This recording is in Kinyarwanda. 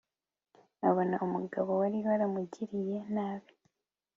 abona umugabo wari waramugiriye nabi